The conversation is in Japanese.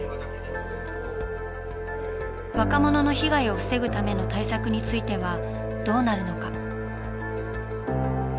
若者の被害を防ぐための対策についてはどうなるのか。